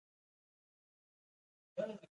ازادي راډیو د اقلیتونه په اړه په ژوره توګه بحثونه کړي.